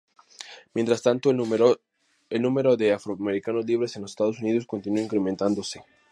Mientras tanto, el número de afroamericanos libres en los Estados Unidos continuó incrementándose.